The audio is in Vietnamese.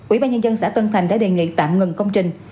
ủy ban nhân dân xã tân thành đã đề nghị tạm ngừng công trình